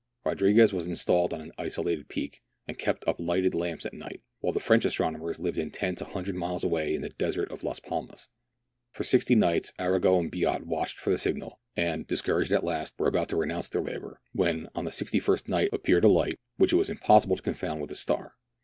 Rodriguez was installed on an isolated peak, and kept up lighted lamps at night, while the French astronomers lived in tents a hundred miles away in the desert of Las Palmas. For sixty nights Arago and Biot watched for the signal, and, discouraged at last, were about to renounce their labour, when, on the sixty first night, appeared a light, which it was impossible to confound with a star.